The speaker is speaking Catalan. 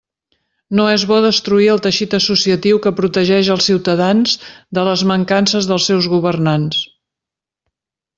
No és bo destruir el teixit associatiu que protegeix els ciutadans de les mancances dels seus governants.